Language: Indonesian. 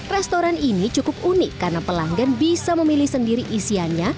restoran ini cukup unik karena pelanggan bisa memilih sendiri isiannya